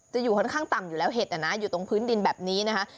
อยู่ค่อนข้างต่ำอยู่แล้วเห็ดนะอยู่ตรงพื้นดินแบบนี้นะคะ